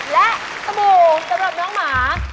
และสบู่สะดวกน้องหมา